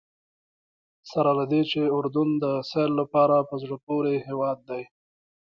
سره له دې چې اردن د سیل لپاره په زړه پورې هېواد دی.